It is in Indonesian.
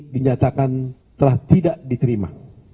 dinyatakan telah tidak diterima